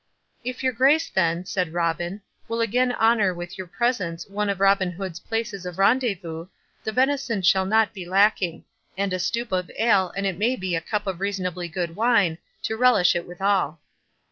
"If your Grace, then," said Robin, "will again honour with your presence one of Robin Hood's places of rendezvous, the venison shall not be lacking; and a stoup of ale, and it may be a cup of reasonably good wine, to relish it withal."